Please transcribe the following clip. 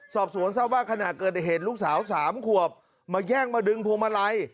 สอบสวนทราบว่าขณะเกิดเหตุลูกสาว๓ขวบมาแย่งมาดึงพวงมาลัย